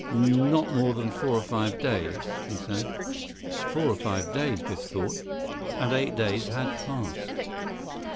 Not more than four or five days, he said." Four or five days, Biff thought. And eight days had passed.